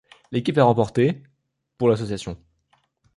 L'équipe a remporté pour l'association.